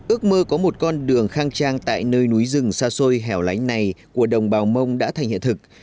ước mơ có một con đường khang trang tại nơi núi rừng xa xôi hẻo lánh này của đồng bào mông đã thành hiện thực